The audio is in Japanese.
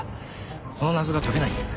その謎が解けないんです。